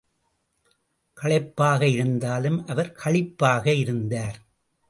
களைப்பாக இருந்தாலும் அவர் களிப்பாக இருந்தார்.